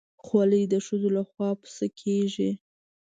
خولۍ د ښځو لخوا پسه کېږي.